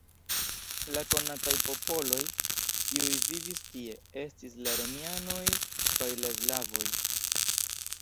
La konataj popoloj, kiuj vivis tie, estis la romianoj kaj la slavoj.